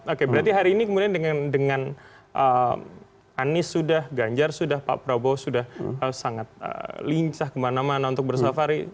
oke berarti hari ini kemudian dengan anies sudah ganjar sudah pak prabowo sudah sangat lincah kemana mana untuk bersafari